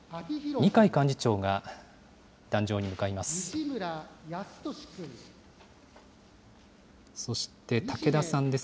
二階幹事長が壇上に向かいます。